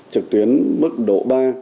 trực tuyến mức độ ba